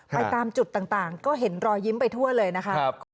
ไปตามจุดต่างก็เห็นรอยยิ้มไปทั่วเลยนะคะ